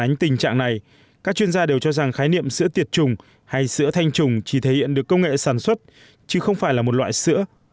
tránh tình trạng này các chuyên gia đều cho rằng khái niệm sữa tiệt trùng hay sữa thanh trùng chỉ thể hiện được công nghệ sản xuất chứ không phải là một loại sữa